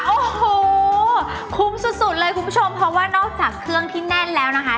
โอ้โหคุ้มสุดสุดเลยคุณผู้ชมเพราะว่านอกจากเครื่องที่แน่นแล้วนะคะ